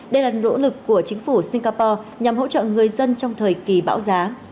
đây là nỗ lực của chính phủ singapore nhằm hỗ trợ người dân trong thời kỳ bão giá